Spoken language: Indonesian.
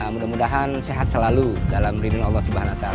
mudah mudahan sehat selalu dalam ridin allah subhanahu wa ta'ala